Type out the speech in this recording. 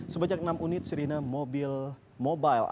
sebanyak enam unit sirine mobile